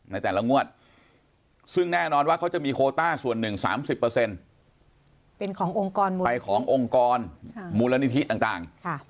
ในแต่ละงวดซึ่งแน่นอนว่าเขาจะมีโคต้าส่วนหนึ่ง๓๐เป็นขององค์กรไปขององค์กรมูลนิธิต่าง